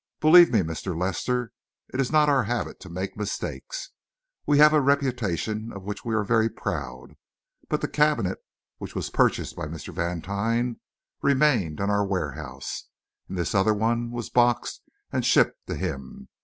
Believe me, Mr. Lester, it is not our habit to make mistakes; we have a reputation of which we are very proud; but the cabinet which was purchased by Mr. Vantine remained in our warehouse, and this other one was boxed and shipped to him.